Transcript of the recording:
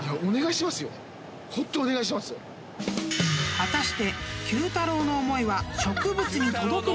［果たして］